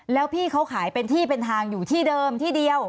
แล้วพี่เขาขายเป็นที่เป็นทางอยู่ที่เดิมที่เดียว